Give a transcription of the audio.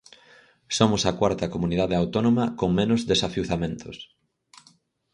Somos a cuarta comunidade autónoma con menos desafiuzamentos.